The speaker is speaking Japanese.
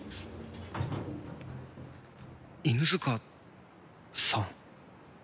犬塚さん。